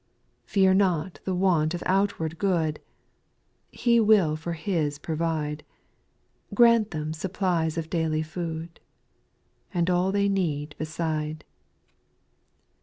8. Fear not the want of outward good ; He will for His provide, Grant them supplies of daily food. And all they need beside.